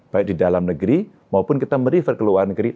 baik di dalam negeri maupun kita merefer ke luar negeri